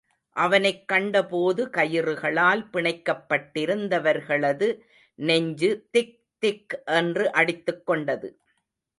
அவனைக் கண்டபோது கயிறுகளால் பிணைக்கப்பட்டிருந்தவர்களது நெஞ்சு திக் திக் என்று அடித்துக்கொண்டது.